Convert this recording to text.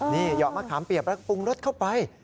นี่เหยาะมะขามเปียกแล้วปรุงรสเข้าไป